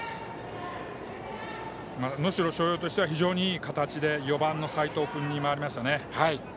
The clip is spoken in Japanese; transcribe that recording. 能代松陽としては非常にいい形で４番の齋藤君に回りましたね。